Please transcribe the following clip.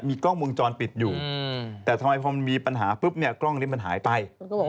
กล้องวงจรปิดอยู่แต่ทำไมพอมันมีปัญหาปุ๊บเนี่ยกล้องนี้มันหายไป